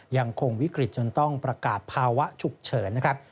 ยังคงวิกฤตจนต้องประกาศภาวะฉุกเฉินนะครับ